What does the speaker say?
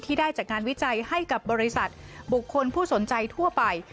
ได้จากงานวิจัยให้กับบริษัทบุคคลผู้สนใจทั่วไป